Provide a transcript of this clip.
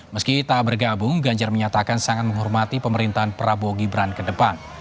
meski tak bergabung ganjar menyatakan sangat menghormati pemerintahan prabowo gibran ke depan